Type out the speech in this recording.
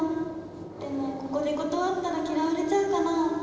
でも、ここで断ったら嫌われちゃうかな」。